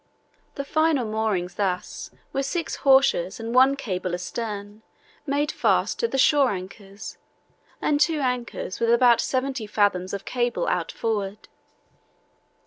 The final moorings thus were six hawsers and one cable astern, made fast to the shore anchors, and two anchors with about seventy fathoms of cable out forward.